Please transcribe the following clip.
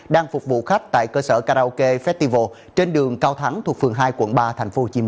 đang phục vụ khách tại cơ sở karaoke festival trên đường cao thắng thuộc phường hai quận ba tp hcm